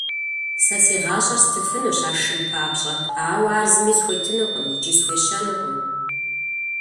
Сэ си гъащӀэр стыфынущ а шым папщӀэ, ауэ ар зыми схуетынукъым икӀи схуещэнукъым.